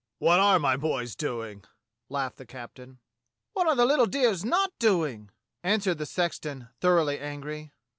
"What are my boys doing?" laughed the captain. "Wliat are the little dears not doing?" answered the sexton, thoroughly angry.